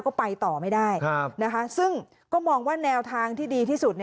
ก็ไปต่อไม่ได้ซึ่งก็มองว่าแนวทางที่ดีที่สุด